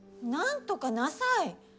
なんとかなさい！